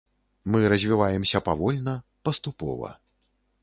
Мы развіваемся павольна, паступова.